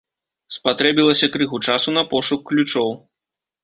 Спатрэбілася крыху часу на пошук ключоў.